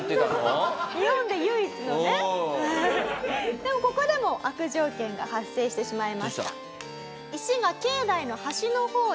でもここでも悪条件が発生してしまいました。